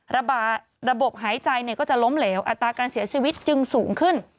ระบบหายใจก็จะล้มเหลวอัตราการเสียชีวิตจึงสูงขึ้น